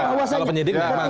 kalau penyidik benar